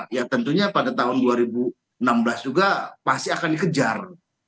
ya tentunya pada tahun dua ribu enam belas juga pasti akan dikejar